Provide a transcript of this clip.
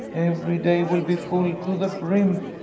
Every day will be full to the brim.